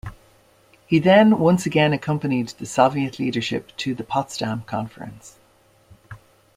He then once again accompanied the Soviet leadership to the Potsdam Conference.